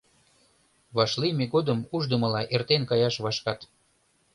Вашлийме годымат уждымыла эртен каяш вашкат.